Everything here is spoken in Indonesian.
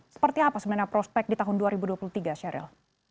seperti apa sebenarnya prospek di tahun dua ribu dua puluh tiga sheryl